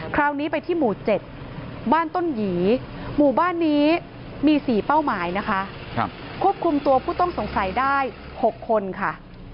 คราวนี้ไปที่หมู่๗บ้านต้นหยีหมู่บ้านนี้มี๔เป้าหมายนะคะควบคุมตัวผู้ต้องสงสัยได้๖คนค่ะ